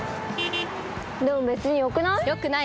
でも別によくない？